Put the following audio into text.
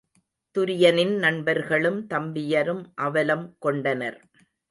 துரியனின் நண்பர்களும், தம்பியரும் அவலம் கொண்டனர்.